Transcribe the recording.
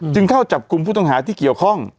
เข้าจับกลุ่มผู้ต้องหาที่เกี่ยวข้อง